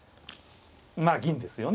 まあ銀ですよね。